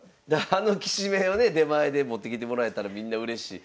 あのきしめんをね出前で持ってきてもらえたらみんなうれしい。